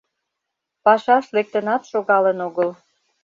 Пашаш лектынат шогалын огыл.